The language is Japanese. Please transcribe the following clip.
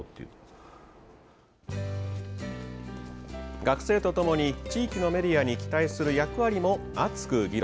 学生とともに地域のメディアに期待する役割も熱く議論。